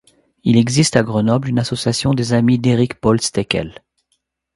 Il existe à Grenoble une association des amis d'Éric-Paul Stekel.